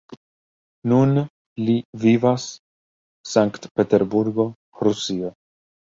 Nun li vivas St-Peterburgo, Rusio.